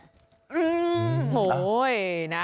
ก็แกะแล้ว